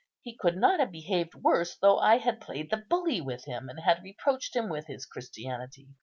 He could not have behaved worse though I had played the bully with him, and had reproached him with his Christianity.